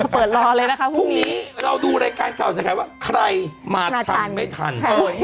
พรุ่งนี้เราดูรายการข่าวส่วนใหญ่ว่าใครมาทันไม่ทัน